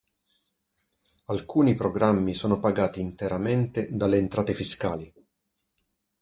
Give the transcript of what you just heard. Alcuni programmi sono pagati interamente dalle entrate fiscali.